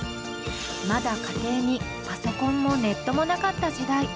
まだ家庭にパソコンもネットもなかった時代。